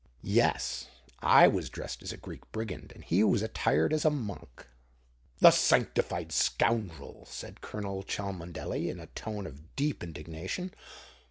"Yes. I was dressed as a Greek brigand, and he was attired as a monk." "The sanctified scoundrel!" said Colonel Cholmondeley, in a tone of deep indignation.